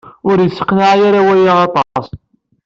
Ur iyi-sseqneɛ aya waya aṭas.